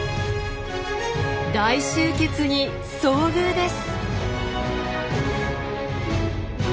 大集結に遭遇です！